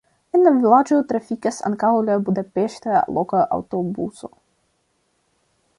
En la vilaĝo trafikas ankaŭ la budapeŝta loka aŭtobuso.